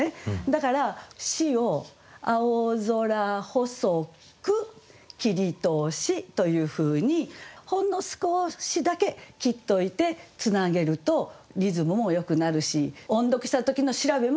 だから「し」を「青空細く切通し」というふうにほんの少しだけ切っといてつなげるとリズムもよくなるし音読した時の調べもよくなる。